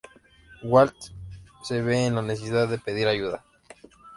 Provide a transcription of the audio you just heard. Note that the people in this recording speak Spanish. Walt se ve en la necesidad de pedir ayuda.